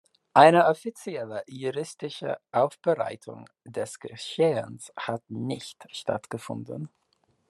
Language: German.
Eine offizielle juristische Aufbereitung des Geschehens hat nicht stattgefunden.